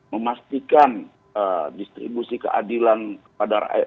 memastikan distribusi keadilan pada rakyat kecil itu